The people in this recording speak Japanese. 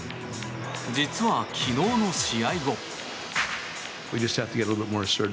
実は昨日の試合後。